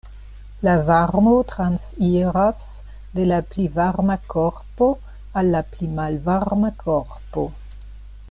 La varmo transiras de la pli varma korpo al la pli malvarma korpo.